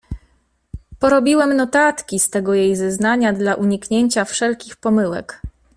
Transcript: "Porobiłem notatki z tego jej zeznania dla uniknięcia wszelkich pomyłek“."